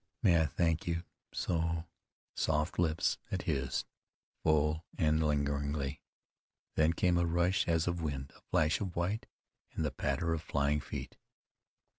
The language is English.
"May I thank you so?" Soft lips met his full and lingeringly. Then came a rush as of wind, a flash of white, and the patter of flying feet.